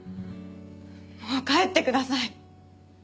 もう帰ってください。